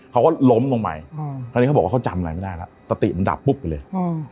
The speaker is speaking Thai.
เขาก็ล้มลงไปคราวนี้เขาบอกว่าเขาจำอะไรไม่ได้แล้วสติมันดับปุ๊บไปเลย